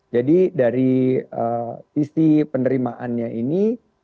jadi dari sisi penerimaannya ini